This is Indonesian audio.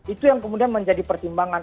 itu yang kemudian menjadi pertimbangan